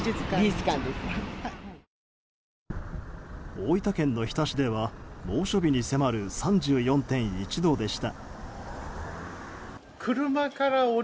大分県の日田市では猛暑日に迫る３４．１度でした。